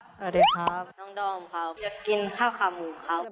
สวัสดีครับน้องดอมครับกินข้าวขาหมูครับ